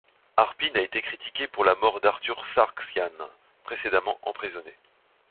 Arpine a été critiquée pour la mort d'Arthur Sargsyan, précédemment emprisonné.